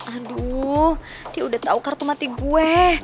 aduh dia udah tahu kartu mati gue